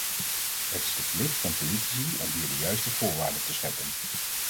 Het is de plicht van politici om hier de juiste voorwaarden voor te scheppen.